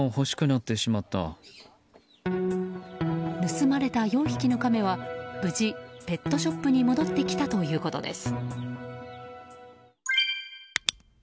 盗まれた４匹のカメは無事ペットショップに戻ってきたということです。